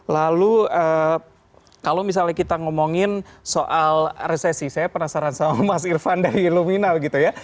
lalu kalau misalnya kita ngomongin soal resesi saya penasaran sama mas irvan dari lumina begitu ya